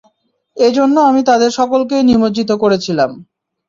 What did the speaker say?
এ জন্য আমি তাদের সকলকেই নিমজ্জিত করেছিলাম।